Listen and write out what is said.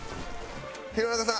弘中さん